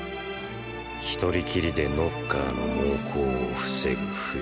一人きりでノッカーの猛攻を防ぐフシ。